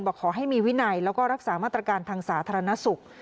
ขอให้มีวินัยแล้วก็รักษามาตรการทางสาธารณสุข